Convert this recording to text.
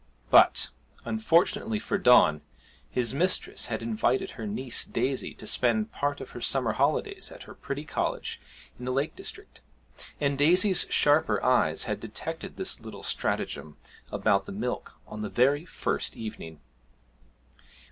But, unfortunately for Don, his mistress had invited her niece Daisy to spend part of her summer holidays at her pretty cottage in the Lake District, and Daisy's sharper eyes had detected this little stratagem about the milk on the very first evening!